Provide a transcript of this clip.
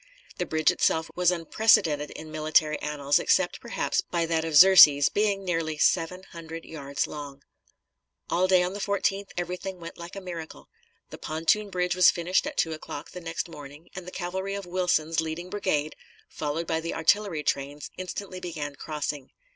The bridge itself was unprecedented in military annals, except, perhaps, by that of Xerxes, being nearly seven hundred yards long. All day on the 14th everything went like a miracle. The pontoon bridge was finished at two o'clock the next morning, and the cavalry of Wilson's leading brigade, followed by the artillery trains, instantly began crossing.